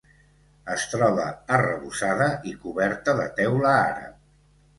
Es troba arrebossada i coberta de teula àrab.